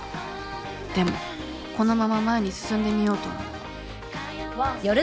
でもこのまま前に進んでみようと思うお楽しみに！